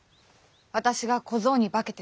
私が小僧に化けて探ります。